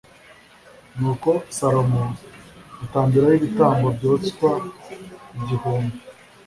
Nuko Salomo atambirayo ibitambo byoswa igihumbi